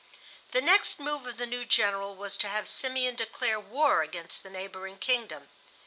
The next move of the new General was to have Simeon declare war against the neighboring kingdom.